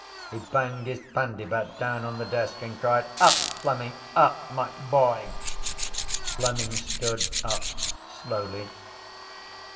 He banged his pandybat down on the desk and cried: —Up, Fleming! Up, my boy! Fleming stood up slowly.